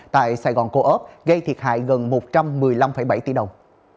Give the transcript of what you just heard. tại sài gòn cô ấp gây thiệt hại gần một trăm một mươi năm bảy tỷ đồng